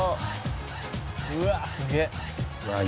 「うわっすげえ」